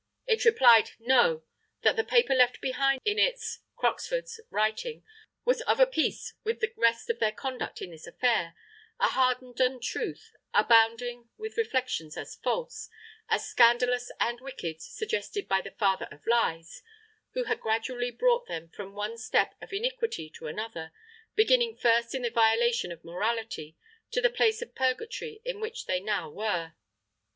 It replied, "No! that the paper left behind in its (Croxford's) writing was of a piece with the rest of their conduct in this affair, a hardened untruth, abounding with reflections as false, as scandalous and wicked, suggested by the Father of Lies, who had gradually brought them from one step of iniquity to another, beginning first in the violation of morality, to the place of purgatory in which they now were."